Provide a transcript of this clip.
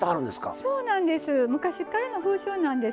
そうなんです。